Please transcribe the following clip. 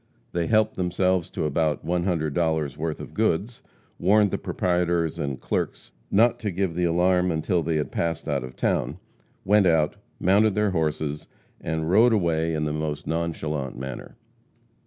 They helped themselves to about one hundred dollars' worth of goods; warned the proprietors and clerks not to give the alarm until they had passed out of town; went out; mounted their horses and rode away in the most nonchalant manner.